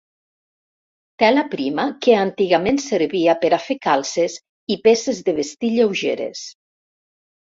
Tela prima que antigament servia per a fer calces i peces de vestir lleugeres.